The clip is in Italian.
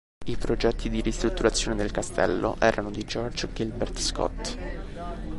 I progetti di ristrutturazione del castello erano di George Gilbert Scott.